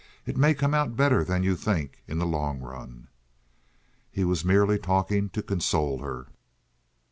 It may come out better than you think in the long run." He was merely talking to console her.